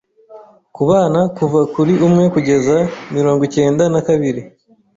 Ku bana kuva kuri umwe kugeza mirongo cyenda na kabiri